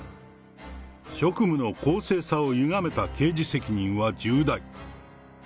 職務の公正さをゆがめた刑事責任は重大。